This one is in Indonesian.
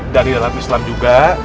dan di dalam islam juga